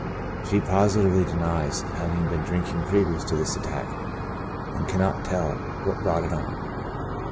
She positively denies having been drinking previous to this attack, and can not tell what brought it on.